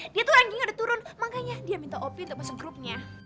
dia tuh rangging udah turun makanya dia minta opi untuk pasang krupnya